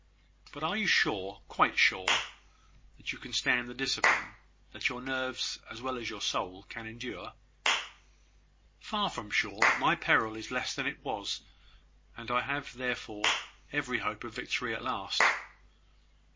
"But are you sure, quite sure, that you can stand the discipline? that your nerves, as well as your soul, can endure?" "Far from sure: but my peril is less than it was; and I have, therefore, every hope of victory at last.